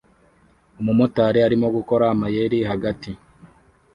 Umumotari arimo gukora amayeri hagati